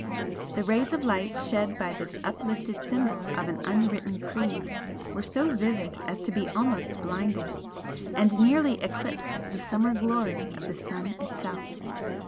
The rays of light shed by this uplifted Symbol of an unwritten Creed were so vivid as to be almost blinding, and nearly eclipsed the summer glory of the sun itself.